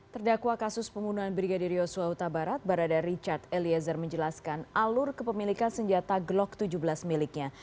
terdakwa kasus pembunuhan brigadir yosua utabarat barada richard eliezer menjelaskan alur kepemilikan senjata glock tujuh belas miliknya